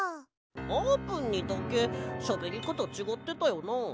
あーぷんにだけしゃべりかたちがってたよな？